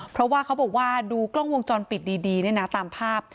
เพราะว่าเขาบอกว่าดูกล้องวงจรปิดดีเนี่ยนะตามภาพ